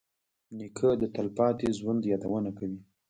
نیکه د تلپاتې ژوند یادونه کوي.